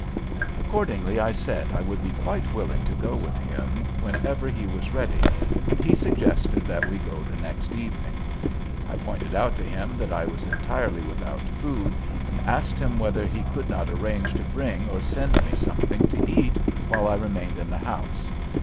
Accordingly I said I would be quite willing to go with him whenever he was ready, and he suggested that we go the next evening. I pointed out to him that I was entirely without food and asked him whether he could not arrange to bring or send me something to eat while I remained in the house.